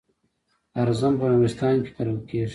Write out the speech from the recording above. ارزن په نورستان کې کرل کیږي.